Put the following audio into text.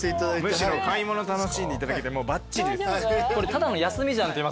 むしろ買い物楽しんでいただけてバッチリです。